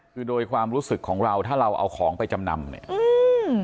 คือโดยความรู้สึกของเราถ้าเราเอาของไปจำนำเนี่ยอืม